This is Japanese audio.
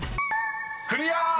［クリア！］